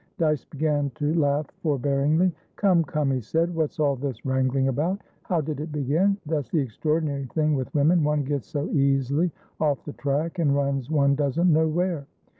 Dyce began to laugh forbearingly. "Come, come," he said, "what's all this wrangling about? How did it begin? That's the extraordinary thing with women; one gets so easily off the track, and runs one doesn't know where.